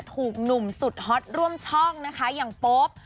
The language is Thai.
ถูกหนุ่มสุดฮอตร่วมช่องนะคะอย่างโป๊ป